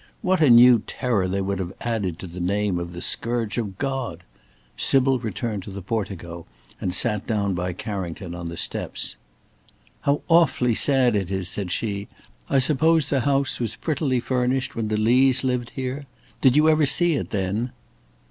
What a new terror they would have added to the name of the scourge of God! Sybil returned to the portico and sat down by Carrington on the steps. "How awfully sad it is!" said she; "I suppose the house was prettily furnished when the Lees lived here? Did you ever see it then?"